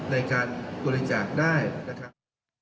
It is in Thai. ในการบริจาคได้นะครับ